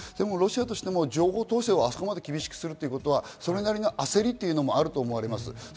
ロシアとしても情報統制はそこまで厳しくするということはそれなりの焦りというのもあると思われます。